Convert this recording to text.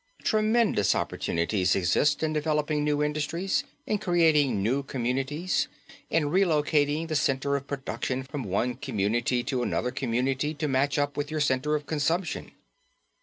Tremendous opportunities exist in developing new industries, in creating new communities, in relocating the center of production from one community to another community to match up with the center of consumption.